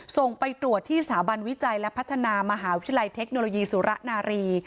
ส่งไปตรวจที่สถาบันวิจัยและพัฒนามหาวิทยาลัยเทคโนโลยีสุระนารี